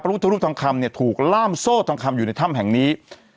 พุทธรูปทองคำเนี่ยถูกล่ามโซ่ทองคำอยู่ในถ้ำแห่งนี้